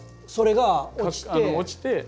それが落ちて。